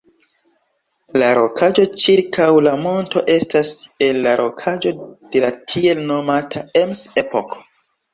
La rokaĵo ĉirkaŭ la monto estas el la rokaĵo de la tiel nomata "Ems-epoko".